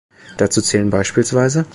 Dazu zählen bspw.